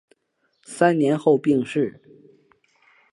三年后病逝。